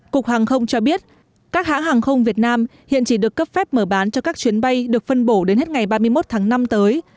cục hàng không cho biết các hãng hàng không việt nam hiện chỉ được cấp phép mở bán cho các chuyến bay được phân bổ đến hết ngày ba mươi một tháng năm tới